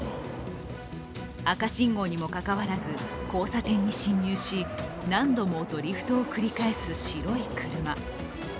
赤信号にもかかわらず、交差点に進入し何度もドリフトを繰り返す白い車。